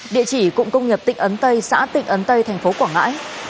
địa chỉ cũng công nghiệp tỉnh ấn tây xã tỉnh ấn tây thành phố quảng ngãi